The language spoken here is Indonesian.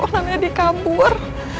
nanti dia kabur